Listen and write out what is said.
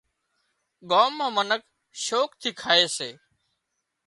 ڳام مان منک شوق ٿِي کائي سي